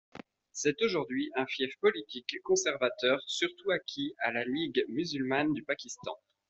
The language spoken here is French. C'est aujourd'hui un fief politique conservateur, surtout acquis à la Ligue musulmane du Pakistan.